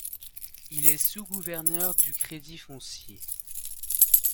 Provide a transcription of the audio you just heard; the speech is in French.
Il est sous-gouverneur du Crédit foncier.